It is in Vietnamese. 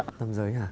nam giới hả